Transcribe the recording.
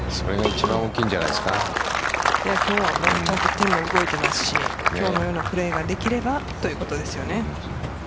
今日はちゃんと手も動いてますし今日のようなプレーができればということですよね。